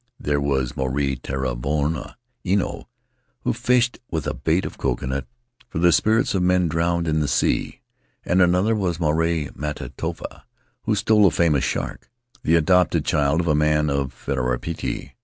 There was Maruae Taura Varua Ino, who fished with a bait of coconut for the spirits of men drowned in the sea; and another was Maruae Mata Tofa, who stole a famous shark — the adopted child of a man of Fariipiti.